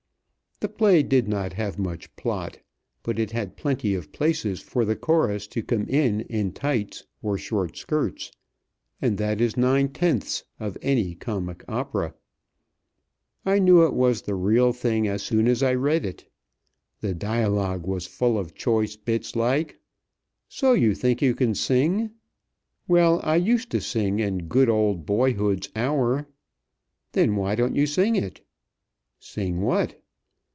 The play did not have much plot, but it had plenty of places for the chorus to come in in tights or short skirts and that is nine tenths of any comic opera. I knew it was the real thing as soon as I read it. The dialogue was full of choice bits like, "So you think you can sing?" "Well, I used to sing in good old boyhood's hour." "Then why don't you sing it?" "Sing what?"